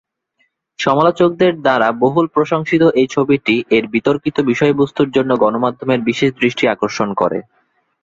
সমালোচকদের দ্বারা বহুল প্রশংসিত এই ছবিটি এর বিতর্কিত বিষয়বস্তুর জন্য গণমাধ্যমের বিশেষ দৃষ্টি আকর্ষণ করে।